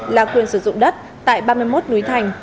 là quyền sử dụng đất tại ba mươi một núi thành